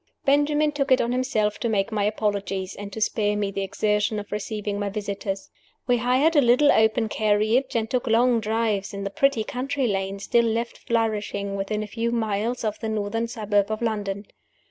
Benjamin took it on himself to make my apologies, and to spare me the exertion of receiving my visitors. We hired a little open carriage, and took long drives in the pretty country lanes still left flourishing within a few miles of the northern suburb of London.